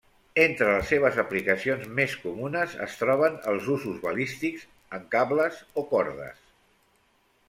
Entre les seves aplicacions més comunes es troben els usos balístics, en cables o cordes.